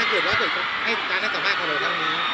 เพราะว่าจะให้สุดท้ายน่าสามารถเข้าโดยทั้งนี้